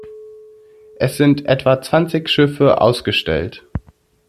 Es sind etwa zwanzig Schiffe ausgestellt.